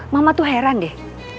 mama tuh heran deh